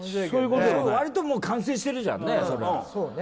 わりともう完成してるじゃんね